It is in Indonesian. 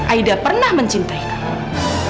aida pernah mencintai kamu